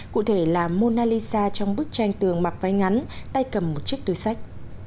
cụ thể là mona lisa trong bức tranh tường mặc vai ngắn tay cầm một chiếc túi sách